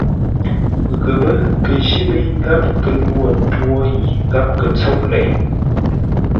Ghəpə́ kə jí mə́i gháp kə lwo twôr yi gháp kə tsóʼ lei.